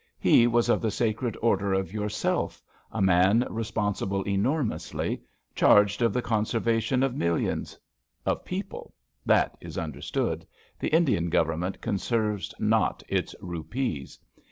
He was of the Sacred Order of Yourself— a man responsible enormously — charged of the conserva tion of millions ... Of people. That is understood. The Indian Government conserves not its rupees.